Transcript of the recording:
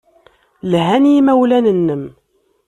Lhan yimawlan-nnem.